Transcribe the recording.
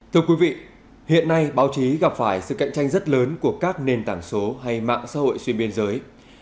thưa quý vị hiện nay báo chí gặp phải sự cạnh tranh rất lớn của các nền tảng số hay mạng xã hội xuyên biên giới